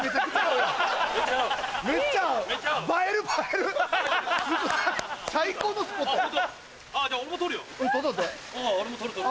うん俺も撮る撮る。